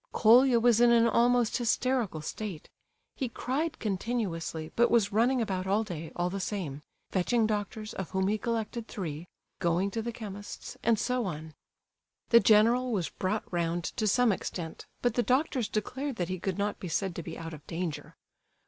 Colia was in an almost hysterical state; he cried continuously, but was running about all day, all the same; fetching doctors, of whom he collected three; going to the chemist's, and so on. The general was brought round to some extent, but the doctors declared that he could not be said to be out of danger.